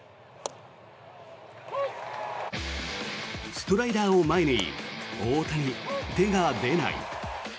ストライダーを前に大谷、手が出ない。